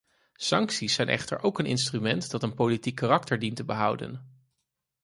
Sancties zijn echter ook een instrument dat een politiek karakter dient te behouden.